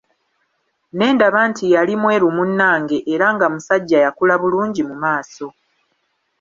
Ne ndaba nti yali mweru munnange era nga musajja yakula bulungi mu maaso.